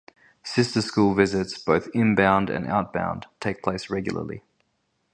Sister school visits, both inbound and outbound, take place regularly.